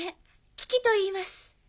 キキといいます。